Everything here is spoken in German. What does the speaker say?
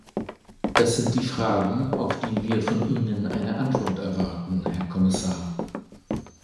Das sind die Fragen, auf die wir von Ihnen eine Antwort erwarten, Herr Kommissar.